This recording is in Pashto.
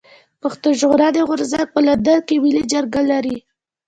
پښتون ژغورني غورځنګ په لندن کي ملي جرګه لري.